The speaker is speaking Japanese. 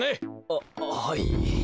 あっははい。